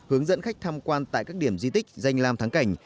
hướng dẫn khách tham quan tại các điểm di tích danh lam thắng cảnh